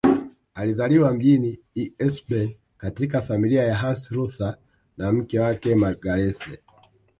Alizaliwa mjini Eisleben katika familia ya Hans Luther na mke wake Margarethe